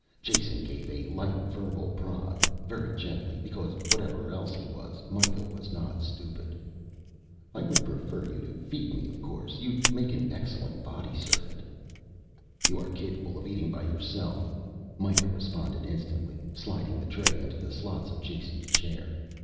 Jason gave a light verbal prod, very gently, because whatever else he was, Mikah was not stupid. "I would prefer you to feed me of course, you'd make an excellent body servant." "You are capable of eating by yourself," Mikah responded instantly, sliding the tray into the slots of Jason's chair.